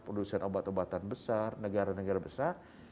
produsen obat obatan besar negara negara besar